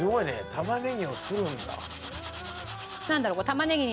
玉ねぎをするんだ。